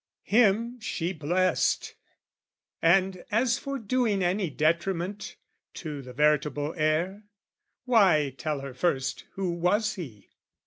Him she blessed, And as for doing any detriment, To the veritable heir, why, tell her first Who was he?